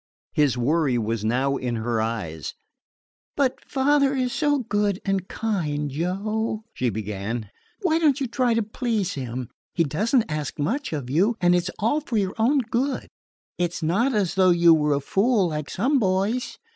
His worry was now in her eyes. "But father is so good and kind, Joe," she began. "Why don't you try to please him? He does n't ask much of you, and it 's all for your own good. It 's not as though you were a fool, like some boys.